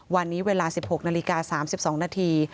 วันนี้เวลา๑๖นาฬิกา๓๒นาที